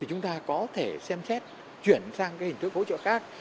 chúng ta có thể xem xét chuyển sang hình thức hỗ trợ khác